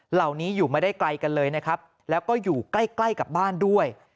เหล่านี้อยู่ไม่ได้ไกลกันเลยนะครับแล้วก็อยู่ใกล้ใกล้กับบ้านด้วย